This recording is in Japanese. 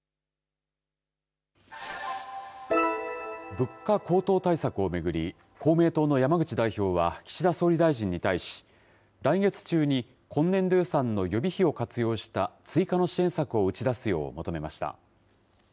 物価高騰対策を巡り、公明党の山口代表は岸田総理大臣に対し、来月中に今年度予算の予備費を活用した追加の支援策を打ち出すよう求めました。